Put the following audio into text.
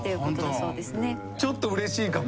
ちょっとうれしいかも。